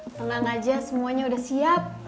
tenang aja semuanya udah siap